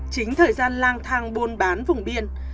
chính thời gian lang thang buôn bán vùng biên